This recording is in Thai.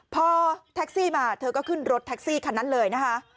พอแท็กซี่มาเธอก็ขึ้นรถแท็กซี่คันนั้นเลยนะคะ